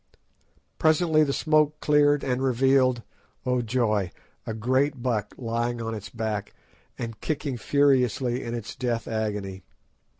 Presently the smoke cleared, and revealed—oh, joy!—a great buck lying on its back and kicking furiously in its death agony.